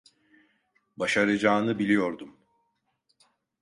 Başaracağını biliyordum.